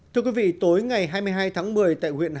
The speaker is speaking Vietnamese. thưa quý vị tối ngày hai mươi hai tháng một mươi tại huyện hàm